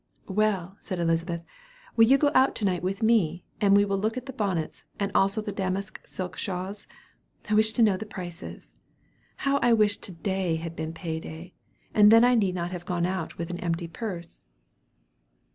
"Well," said Elizabeth, "will you go out to night with me, and we will look at the bonnets, and also the damask silk shawls? I wish to know the prices. How I wish to day had been pay day, and then I need not have gone out with an empty purse."